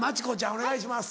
お願いします。